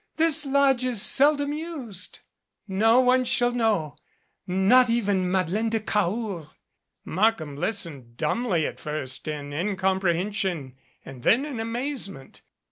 This lodge is sel dom used. No one shall know not even Madeleine de Cahors." Markham listened dumbly at first in incomprehension and then in amazement.